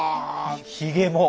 ひげも。